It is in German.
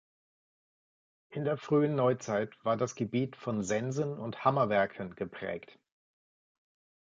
In der frühen Neuzeit war das Gebiet von Sensen- und Hammerwerken geprägt.